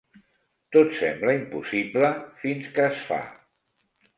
Tot sembla impossible fins que es fa.